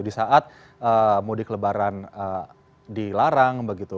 di saat mudik lebaran dilarang begitu